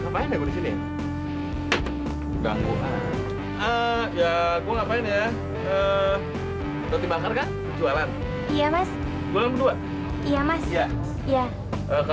pelayan harus nurut sama